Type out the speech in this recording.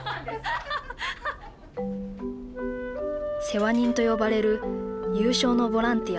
「世話人」と呼ばれる有償のボランティア。